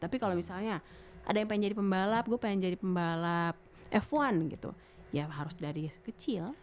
tapi kalau misalnya ada yang pengen jadi pembalap gue pengen jadi pembalap f satu gitu ya harus dari kecil